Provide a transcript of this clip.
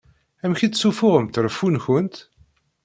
Amek i d-ssufuɣemt reffu-nkent?